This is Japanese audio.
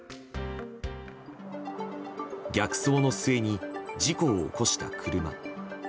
逆走の末に事故を起こした車。